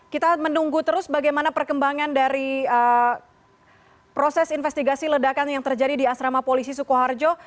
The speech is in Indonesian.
kita menunggu terus bagaimana perkembangan dari proses investigasi ledakan yang terjadi di asrama polisi sukoharjo